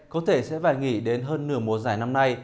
có thể sẽ phải nghỉ đến hơn nửa mùa giải năm nay